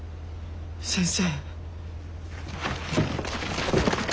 先生。